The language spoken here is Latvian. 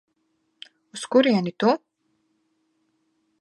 Uz kurieni tu?